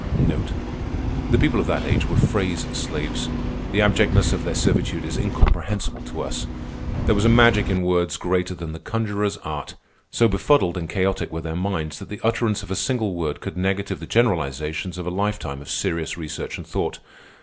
The people of that age were phrase slaves. The abjectness of their servitude is incomprehensible to us. There was a magic in words greater than the conjurer's art. So befuddled and chaotic were their minds that the utterance of a single word could negative the generalizations of a lifetime of serious research and thought.